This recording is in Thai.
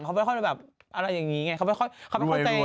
เขาไม่ค่อยแบบอะไรอย่างนี้ไงเขาไม่ค่อยเขาไม่เข้าใจ